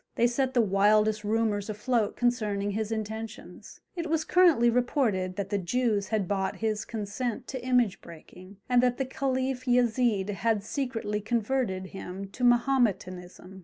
They set the wildest rumours afloat concerning his intentions; it was currently reported that the Jews had bought his consent to image breaking, and that the Caliph Yezid had secretly converted him to Mahometanism.